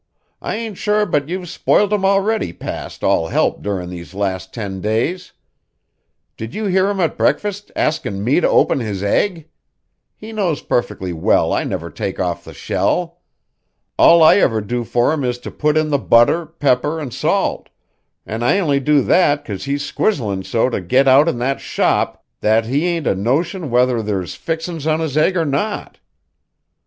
I ain't sure but you've spoilt him already past all help durin' these last ten days. Did you hear him at breakfast askin' me to open his egg? He knows perfectly well I never take off the shell. All I ever do for him is to put in the butter, pepper, an' salt; an' I only do that 'cause he's squizzlin' so to get out in that shop that he ain't a notion whether there's fixin's on his egg or not.